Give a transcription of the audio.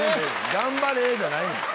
頑張れじゃないねん。